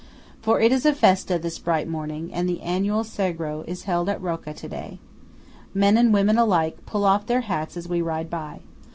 For it is a festa this bright morning, and the annual Sagro is held at Rocca today. Men and women alike pull off their hats as we ride by.